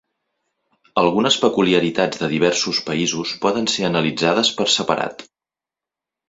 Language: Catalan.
Algunes peculiaritats de diversos països poden ser analitzades per separat.